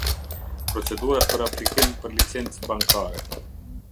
Procedurat për aplikim për licencë bankare.